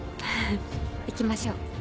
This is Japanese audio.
行きましょう。